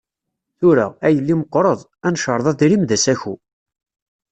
Tura, a yelli meqqreḍ, ad necreḍ adrim d asaku.